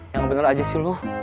yang bener aja sih lo